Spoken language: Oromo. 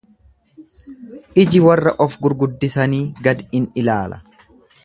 Iji warra of gurguddisanii gad in ilaala.